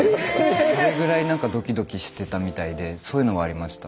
それぐらいドキドキしてたみたいでそういうのはありました。